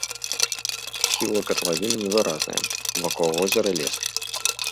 Схілы катлавіны невыразныя, вакол возера лес.